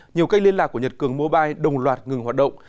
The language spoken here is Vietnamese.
nhiều kênh liên lạc của nhật cường mobile đồng loạt ngừng hoạt động